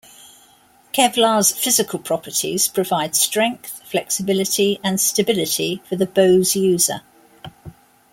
Kevlar's physical properties provide strength, flexibility, and stability for the bow's user.